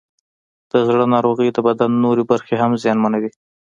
د زړه ناروغۍ د بدن نورې برخې هم زیانمنوي.